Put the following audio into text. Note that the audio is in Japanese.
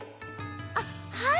あっはい。